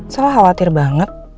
salah khawatir banget